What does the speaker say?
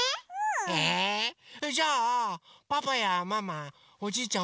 それじゃあパパやママおじいちゃん